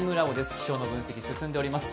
気象の分析、進んでおります。